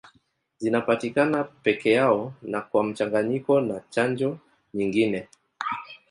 Zinapatikana peke yao na kwa mchanganyiko na chanjo nyingine.